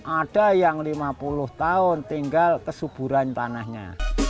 ada yang lima puluh tahun tinggal kesuburan tanahnya